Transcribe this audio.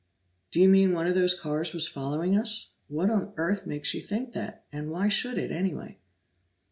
"Do you mean one of those cars was following us? What on earth makes you think that, and why should it, anyway?"